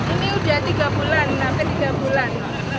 ini udah tiga bulan enam ke tiga bulan